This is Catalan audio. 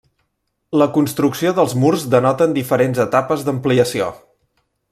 La construcció dels murs denoten diferents etapes d'ampliació.